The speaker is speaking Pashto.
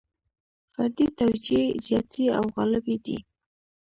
فردي توجیې زیاتې او غالبې دي.